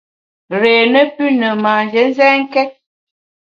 Réé ne pü ne tu manjé nzènkét !